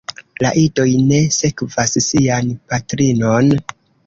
La idoj ne sekvas sian patrinon.